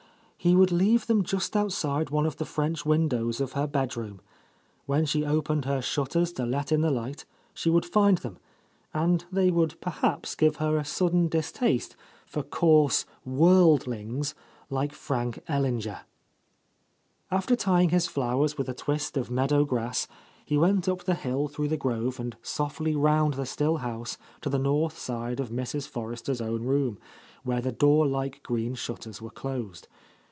He would leave them just outside one of the French windows of her bedroom. When she opened her shutters to let in the light, she would find them, — and they would perhaps give her a sudden distaste for coarse worldlings like Frank Ellinger. — 8 ,?— A Lost Lady After tying his flowers with a twist of meadow grass, he went up the hill through the grove and softly round the still house to the north side of Mrs, Forrester's own room, where the door like green shutters were closed.